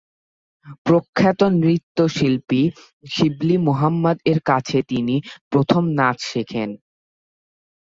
প্রখ্যাত নৃত্যশিল্পী শিবলী মোহাম্মদ এর কাছে তিনি প্রথম নাচ শেখেন।